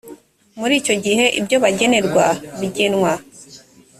muri icyo gihe ibyo bagenerwa bigenwa